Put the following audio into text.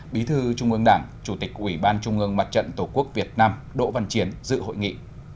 bí thư trung ương đảng chủ tịch ủy ban trung ương mặt trận tổ quốc việt nam đỗ văn chiến dự hội nghị